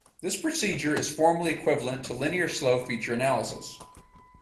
This procedure is formally equivalent to linear Slow Feature Analysis.